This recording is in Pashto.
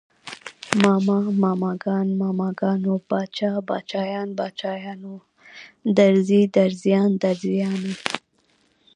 ماما، ماماګان، ماماګانو، باچا، باچايان، باچايانو، درزي، درزيان، درزیانو